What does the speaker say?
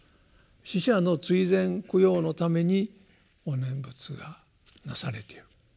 死者の追善供養のためにお念仏がなされている。